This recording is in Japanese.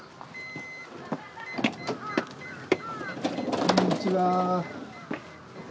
こんにちは。